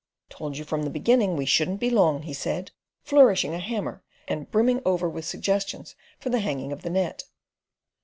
"Told you from the beginning we shouldn't be long," he said, flourishing a hammer and brimming over with suggestions for the hanging of the net.